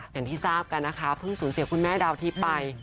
อย่างที่ทราบกันนะคะเพิ่งสูญเสียคุณแม่ดาวทิพย์ไป